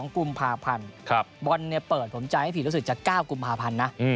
๒กุมภาพันธ์บอลเปิดผมใจให้ผิดรู้สึกจะ๙กุมภาพันธ์นะ